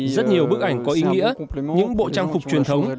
rất nhiều bức ảnh có ý nghĩa những bộ trang phục truyền thống